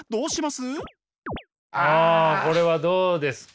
あこれはどうですか？